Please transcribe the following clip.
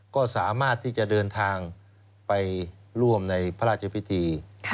ก็สามารถที่จะเดินทางไปร่วมในพระราชพิธี